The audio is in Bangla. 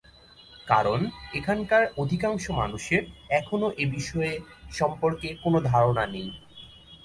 কারণ এখানকার অধিকাংশ মানুষের, এখনো এ বিষয়ে সম্পর্কে কোন ধারণা নেই।